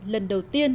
lần đầu tiên